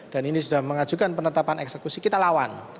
dan ini sudah mengajukan penetapan eksekusi kita lawan